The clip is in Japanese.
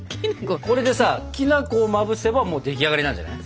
これでさきな粉をまぶせばもう出来上がりなんじゃない。